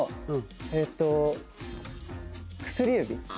えっと薬指？